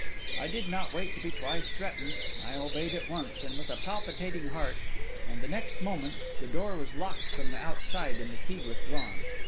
I did not wait to be twice threatened; I obeyed at once, and with a palpitating heart; and the next moment, the door was locked from the outside and the key withdrawn.